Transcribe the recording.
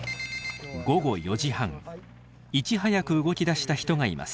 午後４時半いち早く動きだした人がいます。